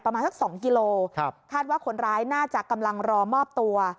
ประมาณสัก๒กิโลคาดว่าคนร้ายน่าจะกำลังรอมอบตัว